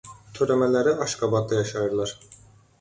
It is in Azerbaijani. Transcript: Törəmələri Aşqabadda yaşayırlar.